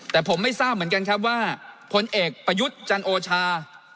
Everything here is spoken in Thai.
แต่ผมไม่ทราบเหมือนกันครับว่าผลเอกประยุทธ์จันโอชา